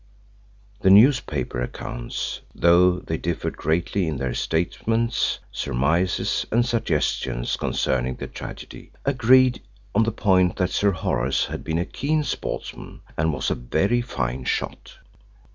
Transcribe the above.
The newspaper accounts, though they differed greatly in their statements, surmises, and suggestions concerning the tragedy, agreed on the point that Sir Horace had been a keen sportsman and was a very fine shot.